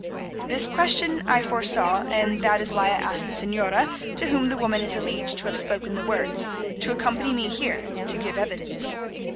This question I foresaw, and that is why I asked the Señora, to whom the woman is alleged to have spoken the words, to accompany me here to give evidence.